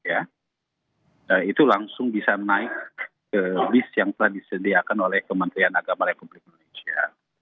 itu langsung bisa naik ke bis yang telah disediakan oleh kementerian agama republik indonesia